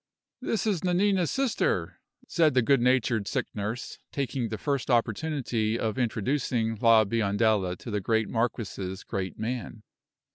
"This is Nanina's sister," said the good natured sick nurse, taking the first opportunity of introducing La Biondella to the great marquis's great man.